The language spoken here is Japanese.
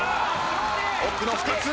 奥の２つ。